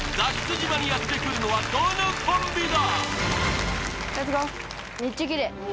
島にやってくるのはどのコンビだ！？